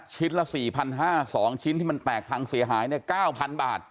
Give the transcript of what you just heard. ละ๔๕๒ชิ้นที่มันแตกพังเสียหาย๙๐๐บาท